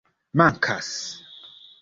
mankas